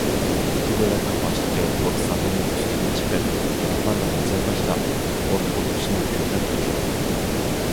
ئىككى دۆلەتنىڭ باشلىقى پورت سارىيىنىڭ ئۈستىگە چىقىپ يىراقلارغا نەزەر تاشلاپ، پورت قۇرۇلۇشىنى كۆزدىن كەچۈردى.